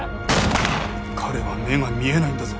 彼は目が見えないんだぞ